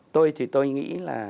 tôi thì tôi nghĩ là